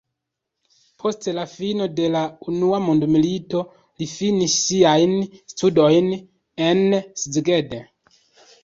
Post la fino de la unua mondmilito li finis siajn studojn en Szeged.